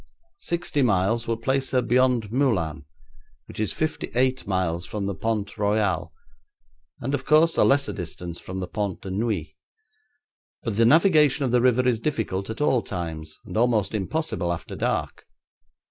Sixty miles would place her beyond Meulan, which is fifty eight miles from the Pont Royal, and, of course, a lesser distance from the Pont de Neuilly. But the navigation of the river is difficult at all times, and almost impossible after dark.